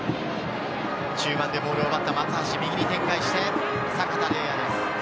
中盤でボールを奪った松橋、右に展開して阪田澪哉です。